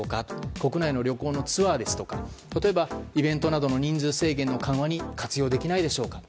国内のツアーですとか例えば、イベントなどの人数制限の緩和に活用できないでしょうかと。